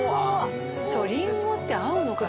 りんごって合うのかな？